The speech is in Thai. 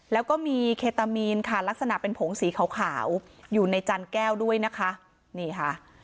แล้วก็มีเคตามีนค่ะลักษณะเป็นผงสีขาวอยู่ในจันแก้วด้วยนะคะนี่ค่ะ